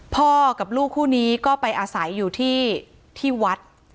พ่อกับลูกคู่นี้ก็ไปอาศัยอยู่ที่วัด